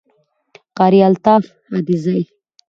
Qari Altaf Adezai